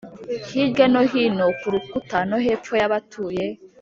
hirya no hino kurukuta no hepfo yabatuye